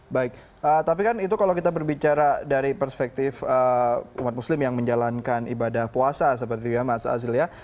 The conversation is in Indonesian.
baik tapi kan itu kalau kita berbicara dari perspektif umat muslim yang menjalankan ibadah puasa seperti itu ya mas azil ya